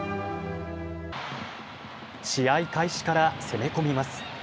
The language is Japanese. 試合開始から攻め込みます。